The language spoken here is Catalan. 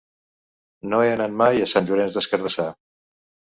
No he anat mai a Sant Llorenç des Cardassar.